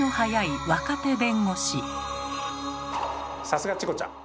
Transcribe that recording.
さすがチコちゃん。